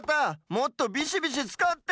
もっとビシビシつかって！